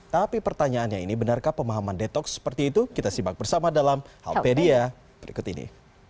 tapi pertanyaannya ini benarkah pemahaman detox seperti itu kita simak bersama dalam halpedia berikut ini